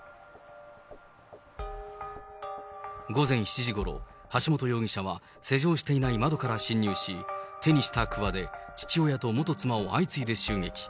午前７時ごろ、橋本容疑者は施錠していない窓から侵入し、手にしたくわで父親と元妻を相次いで襲撃。